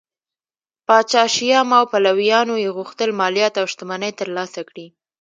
پاچا شیام او پلویانو یې غوښتل مالیات او شتمنۍ ترلاسه کړي